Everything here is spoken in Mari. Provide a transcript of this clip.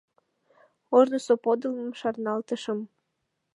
— Ожнысо подылмым шарналтышым.